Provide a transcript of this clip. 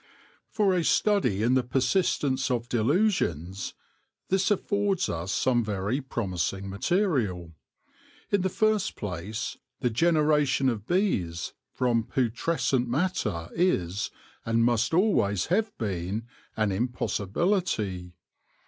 For a study in the persistence of delusions, this affords us some very promising material. In the first place, the generation of bees from putrescent matter is, and must always have been, an impossibility.